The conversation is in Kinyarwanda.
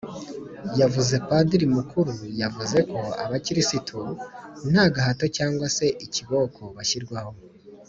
yavuze, padiri mukuru yavuze ko abakristu nta gahato cyangwa se ikiboko bashyirwaho